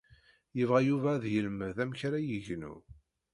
Yebɣa Yuba ad yelmed amek ara yegnu.